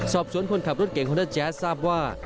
สอบสวนคนขับรถเก่งฮอลเจสทร์ทราบว่า